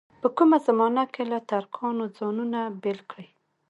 په کومه زمانه کې له ترکانو ځانونه بېل کړي.